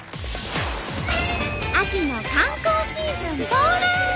秋の観光シーズン到来！